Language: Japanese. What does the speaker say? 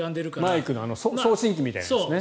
マイクの送信機みたいなやつね。